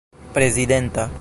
prezidenta